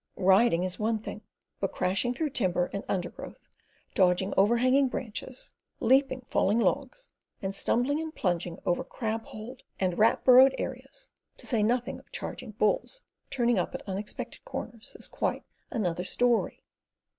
Riding is one thing; but crashing through timber and undergrowth, dodging overhanging branches, leaping fallen logs, and stumbling and plunging over crab holed and rat burrowed areas, to say nothing of charging bulls turning up at unexpected corners, is quite another story.